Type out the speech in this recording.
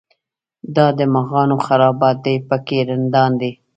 دا د مغانو خرابات دی په کې رندان دي.